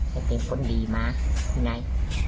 ให้เป็นคนดีมานี่ไง